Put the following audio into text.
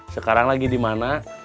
sekarang lagi dimana